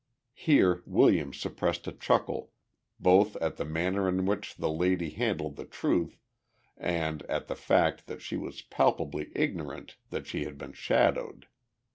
(Here Williams suppressed a chuckle, both at the manner in which the lady handled the truth and at the fact that she was palpably ignorant that she had been shadowed.)